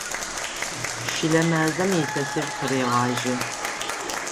Щылэ мазэм илъэсыр къырегъажьэ.